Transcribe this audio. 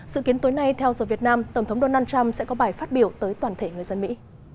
dự kiến tối nay theo giờ việt nam tổng thống donald trump sẽ có bài phát biểu tới toàn thể người dân mỹ